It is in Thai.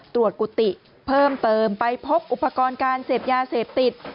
กุฏิเพิ่มเติมไปพบอุปกรณ์การเสพยาเสพติด